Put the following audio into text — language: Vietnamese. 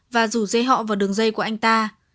và rủ dê họ vào đường dây của anh ta